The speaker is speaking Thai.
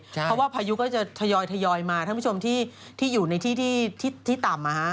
เพราะว่าพายุก็จะทยอยมาท่านผู้ชมที่อยู่ในที่ที่ต่ำ